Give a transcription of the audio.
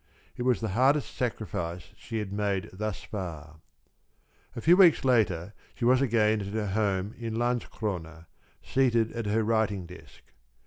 It was the hardest sacrifice she had made thus far. A few weeks later, she was again at her home in Landskrona, seated at her writing desk.